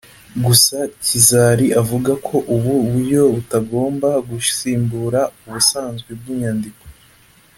Gusa Kizari avuga ko ubu buryo butagomba gusimbura ubusanzwe bw’inyandiko